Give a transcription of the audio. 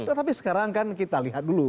tetapi sekarang kan kita lihat dulu